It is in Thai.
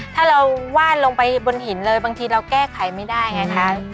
ถ้าเราวาดลงไปบนหินเลยบางทีเราแก้ไขไม่ได้ไงคะ